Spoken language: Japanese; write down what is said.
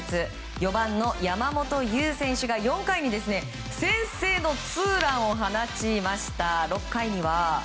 ４番の山本優選手が４回に先制のツーランを放ちました。